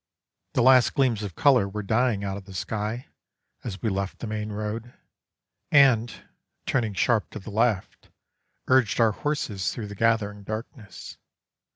The last gleams of colour were dying out of the sky as we left the main road, and, turning sharp to the left, urged our horses through the gathering darkness.